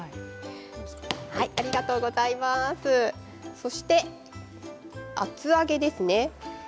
そして厚揚げですね。